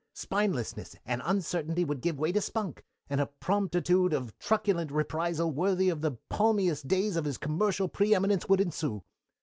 Spinelessness and uncertainty would give way to spunk, and a promptitude of truculent reprisal worthy of the palmiest days of his commercial pre eminence would ensue.